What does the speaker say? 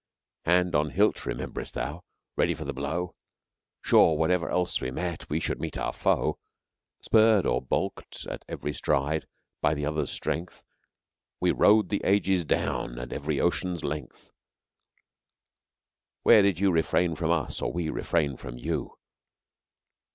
Hand on hilt (rememberest thou?), ready for the blow. Sure whatever else we met we should meet our foe. Spurred or baulked at ev'ry stride by the other's strength, So we rode the ages down and every ocean's length; Where did you refrain from us or we refrain from you?